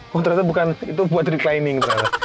woh ternyata bukan itu buat reclining